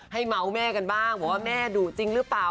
เมาส์แม่กันบ้างบอกว่าแม่ดุจริงหรือเปล่า